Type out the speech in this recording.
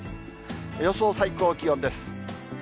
予想最高気温です。